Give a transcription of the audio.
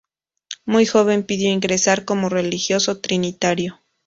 Muy joven pidió ingresar como religioso trinitario.